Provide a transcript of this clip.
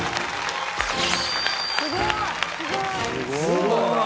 すごい！